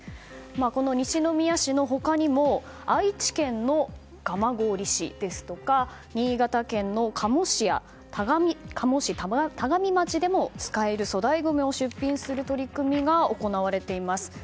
この西宮市の他にも愛知県の蒲郡市ですとか新潟県の加茂市や田上町でも使える粗大ごみを出品する取り組みが行われています。